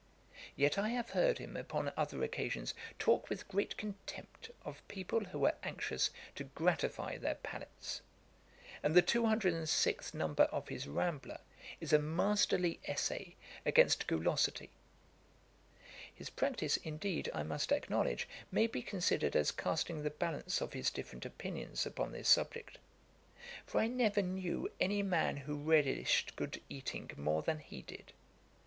Yet I have heard him, upon other occasions, talk with great contempt of people who were anxious to gratify their palates; and the 206th number of his Rambler is a masterly essay against gulosity. His practice, indeed, I must acknowledge, may be considered as casting the balance of his different opinions upon this subject; for I never knew any man who relished good eating more than he did.